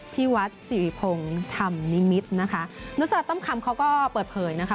ที่วัดสิริพงศ์ธรรมนิมิตรนะคะนุษราต้อมคำเขาก็เปิดเผยนะคะ